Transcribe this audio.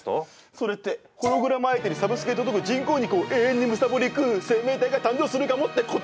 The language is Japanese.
それってホログラム相手にサブスクで届く人工肉を永遠に貪り食う生命体が誕生するかもってことじゃん！